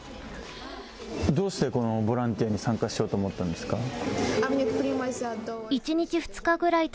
どうして、このボランティアに参加しようと思ったんですか？